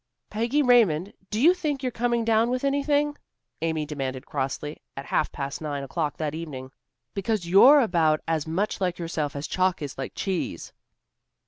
"Peggy Raymond, do you think you're coming down with anything?" Amy demanded crossly, at half past nine o'clock that evening. "Because you're about as much like yourself as chalk is like cheese."